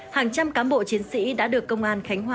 hàng trăm cán bộ chiến sĩ đã được công an khánh hòa